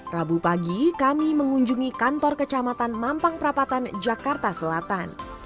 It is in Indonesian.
rabu pagi kami mengunjungi kantor kecamatan mampang perapatan jakarta selatan